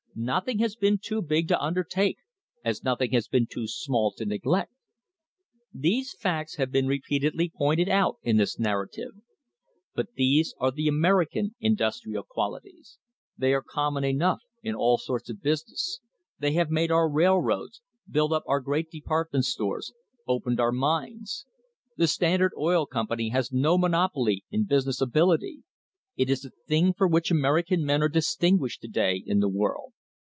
Nothing has been too big to undertake, as nothing has been too small to neglect. These facts have been repeatedly pointed out in this narrative. But these are the American industrial qualities. They are common enough in all sorts of business. They have made our rail roads, built up our great department stores, opened our mines. The Standard Oil Company has no monopoly in business ability. It is the thing for which American men are distinguished to day in the world.